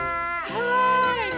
はい。